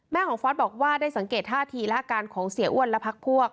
ของฟอสบอกว่าได้สังเกตท่าทีและอาการของเสียอ้วนและพักพวก